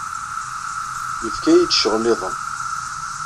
Yefka-yi-d ccɣel-iḍen.